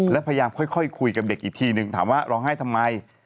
แล้วพยายามค่อยคุยกับเด็กอีกทีนึงถามว่าร้องไห้ทำไม